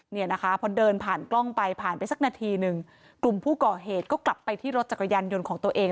เนี่ยนะคะพอเดินผ่านกล้องไปผ่านไปสักนาทีหนึ่งกลุ่มผู้ก่อเหตุก็กลับไปที่รถจักรยานยนต์ของตัวเอง